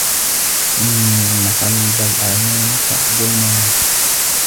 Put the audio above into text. فَإِنَّ قَلْبَ الْأَعْيَانِ صَعْبُ الْمَرَامِ